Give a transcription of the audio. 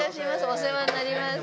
お世話になります。